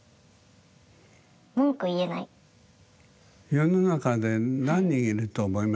世の中で何人いると思います？